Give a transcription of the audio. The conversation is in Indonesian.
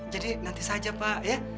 jadi nanti saja pak ya